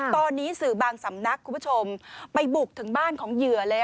ตอนนี้สื่อบางสำนักคุณผู้ชมไปบุกถึงบ้านของเหยื่อเลย